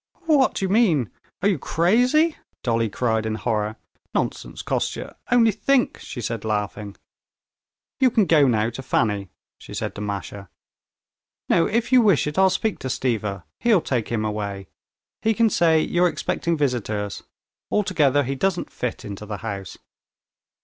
"What do you mean! Are you crazy?" Dolly cried in horror; "nonsense, Kostya, only think!" she said, laughing. "You can go now to Fanny," she said to Masha. "No, if you wish it, I'll speak to Stiva. He'll take him away. He can say you're expecting visitors. Altogether he doesn't fit into the house."